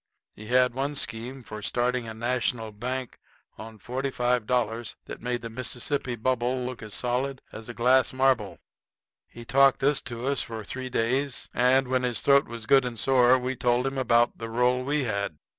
He had one scheme for starting a National bank on $45 that made the Mississippi Bubble look as solid as a glass marble. He talked this to us for three days, and when his throat was good and sore we told him about the roll we had.